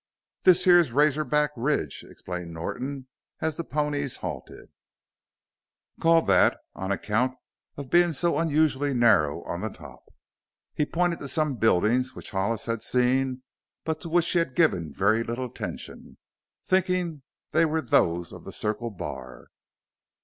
"This here's 'Razor Back' ridge," explained Norton as the ponies halted; "called that on account of bein' so unusually narrow on the top." He pointed to some buildings which Hollis had seen but to which he had given very little attention, thinking they were those of the Circle Bar.